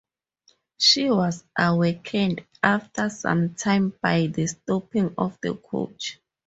She was awakened, after some time, by the stopping of the coach.